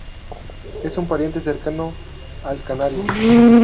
Es un pariente cercano al canario.